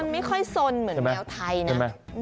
ไม่ค่อยสนเหมือนแมวไทยนะ